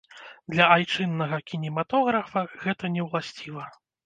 Для айчыннага кінематографа гэта не ўласціва.